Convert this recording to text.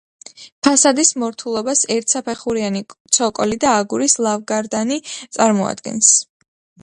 ფასადის მორთულობას ერთსაფეხურიანი ცოკოლი და აგურის ლავგარდანი წარმოადგენს.